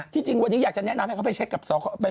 ที่จริงวันนี้อยากจะแนะนำให้เขาไป